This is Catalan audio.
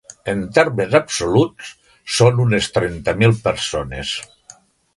En termes absoluts, són unes trenta mil persones.